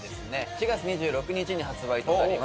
４月２６日に発売となります。